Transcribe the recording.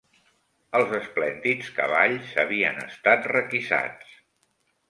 Els esplèndids cavalls havien estat requisats